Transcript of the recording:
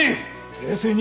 冷静に。